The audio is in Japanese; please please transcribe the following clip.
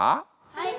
はい。